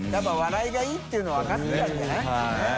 笋辰兢个いいいっていうの分かったんじゃない？